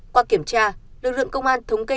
qua kiểm tra lượng lượng công an thống cây